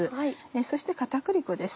そして片栗粉です。